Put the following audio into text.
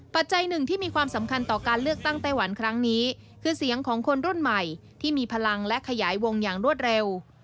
หนึ่งที่มีความสำคัญต่อการเลือกตั้งไต้หวันครั้งนี้คือเสียงของคนรุ่นใหม่ที่มีพลังและขยายวงอย่างรวดเร็ว